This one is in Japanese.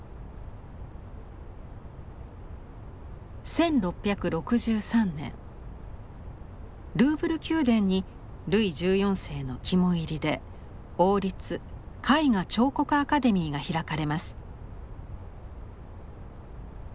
１６６３年ルーブル宮殿にルイ１４世の肝煎りで王立絵画彫刻アカデミーが開かれます。